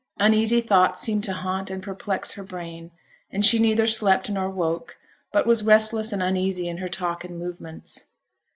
Uneasy thoughts seemed to haunt and perplex her brain, and she neither slept nor woke, but was restless and uneasy in her talk and movements.